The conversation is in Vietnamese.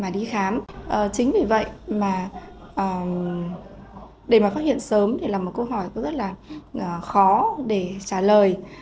để mà phát hiện sớm để làm một câu hỏi rất là khó để trả lời